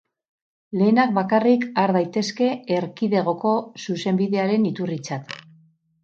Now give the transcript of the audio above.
Lehenak bakarrik har daitezke Erkidegoko Zuzenbidearen iturritzat.